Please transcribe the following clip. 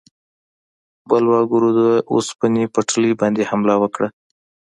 بلواګرو د اوسپنې پټلۍ باندې حمله وکړه.